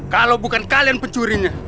kalau bukan kalian pencurinya